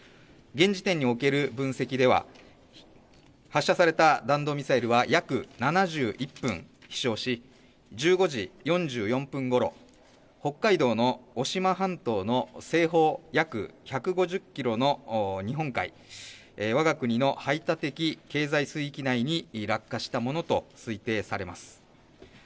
現時点における分析では、発射された弾道ミサイルは約７１分飛しょうし、１５時４４分ごろ、北海道の渡島半島の西方約１５０キロの日本海、わが国の排他的経済水域内に落下したものと推定されます。